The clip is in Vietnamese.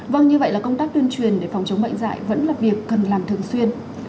vâng như vậy là công tác tuyên truyền để phòng chống bệnh dạy vẫn là việc cần làm thường xuyên